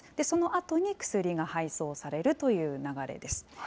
そのあとに薬が配送されるという流れです。